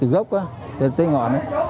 gốc tới ngọn